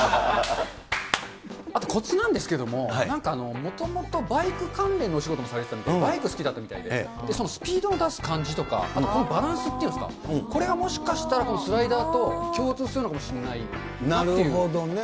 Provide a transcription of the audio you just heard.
あと、こつなんですけど、なんかもともと、バイク関連のお仕事もされてて、バイク好きだったみたいで、スピードを出す感じとか、バランスっていうんですか、これはもしかしたらスライダーと共通するのかもしれないなというなるほどね。